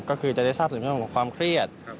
ก็คือจะได้ทราบถึงเรื่องของความเครียด